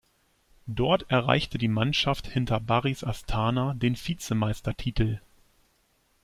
Dort erreichte die Mannschaft hinter Barys Astana den Vizemeistertitel.